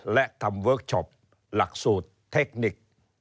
และทำเวิร์คชอปหลักสูตรเทคนิค